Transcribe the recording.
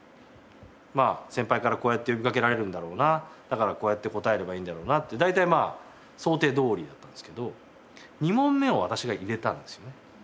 まあ先輩からこうやって呼びかけられるんだろうなだからこうやって答えればいいんだろうなって大体まあ想定どおりだったんですけど２問目を私が入れたんですよね。